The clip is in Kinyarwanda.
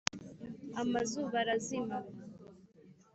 Amazuba arazima.